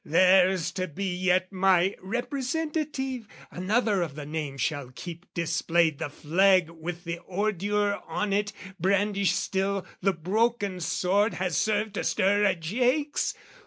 There's to be yet my representative, Another of the name shall keep displayed The flag with the ordure on it, brandish still The broken sword has served to stir a jakes?